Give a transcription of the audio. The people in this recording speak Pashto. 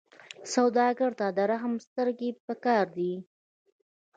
سوالګر ته د رحم سترګې پکار دي